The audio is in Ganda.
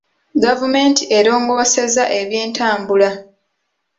Gavumenti erongoosezza ebyentambula.